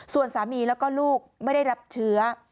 ส่วนสามีแล้วก็ลูกไม่ได้รับเชื้อ